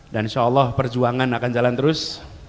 dan insya allah perjuangan akan jalan terus